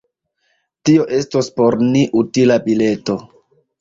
Tio estos por ni utila bileto!